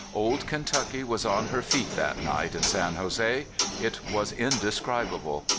Old Kentucky was on her feet that night in San Jose. It was inde scribable.